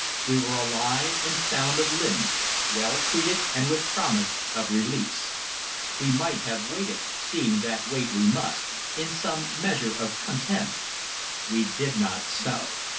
We were alive and sound of limb, well treated and with the promise of release; we might have waited, seeing that wait we must, in some measure of content. We did not so.